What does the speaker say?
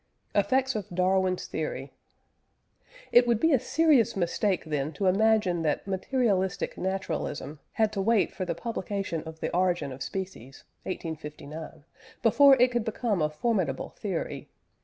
EFFECTS OF DARWIN'S THEORY. It would be a serious mistake, then, to imagine that materialistic naturalism had to wait for the publication of the Origin of Species (1859) before it could become a formidable theory.